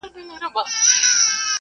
کارپوهان به نوي تړونونه لاسلیک کړي.